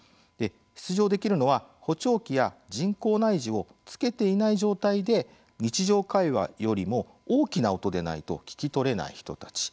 出場できるのは、補聴器や人工内耳をつけていない状態で日常会話よりも大きな音でないと聞き取れない人たち。